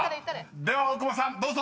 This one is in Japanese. では大久保さんどうぞ！］